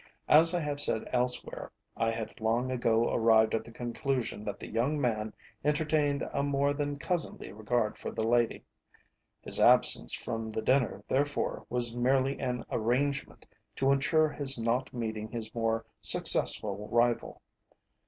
As I have said elsewhere, I had long ago arrived at the conclusion that the young man entertained a more than cousinly regard for the lady; his absence from the dinner, therefore, was merely an arrangement to ensure his not meeting his more successful rival.